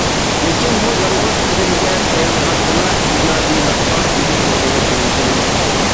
لېكىن بۇ، يالغۇز بىلىمگە تايانغاندىلا ئىجادىيلىققا ئىگە بولغىلى بولىدۇ.